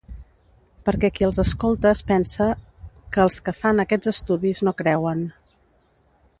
perquè qui els escolta es pensa que els que fan aquests estudis no creuen.